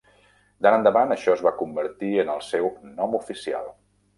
D'ara endavant, això es va convertir en el seu nom oficial.